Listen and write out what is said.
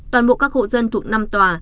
toàn bộ các hộ dân thuộc năm tòa